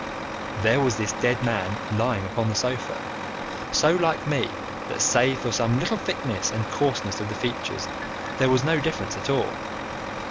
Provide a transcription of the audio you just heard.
"There was this dead man lying upon the sofa, so like me that save for some little thickness and coarseness of the features there was no difference at all.